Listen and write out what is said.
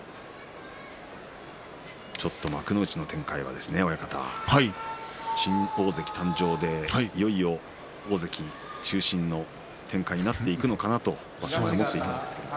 ちょっと幕内の展開は、親方新大関誕生でいよいよ大関中心の展開になっていくのかなと思っていたんですけど。